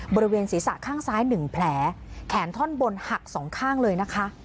บริเวณศีรษะข้างซ้าย๑แผลแขนท่อนบนหักสองข้างเลยนะคะ